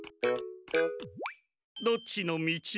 どっちのみち？